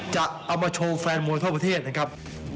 จะเอามาโชว์แฟนมวยทั่วประเทศนะครับ